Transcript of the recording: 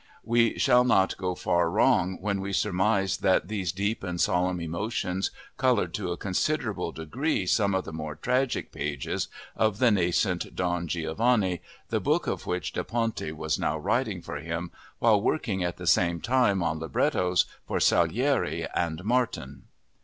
We shall not go far wrong when we surmise that these deep and solemn emotions colored to a considerable degree some of the more tragic pages of the nascent Don Giovanni, the book of which Da Ponte was now writing for him while working at the same time on librettos for Salieri and Martin!